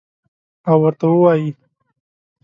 او ورته ووایي: